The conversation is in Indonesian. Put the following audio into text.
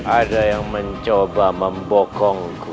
ada yang mencoba membokongku